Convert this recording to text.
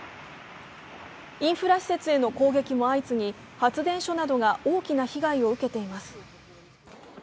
インフラ施設への攻撃も相次ぎ発電所などが大きな被害をうけています。